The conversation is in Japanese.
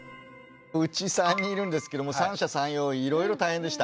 うち３人いるんですけども三者三様いろいろ大変でした。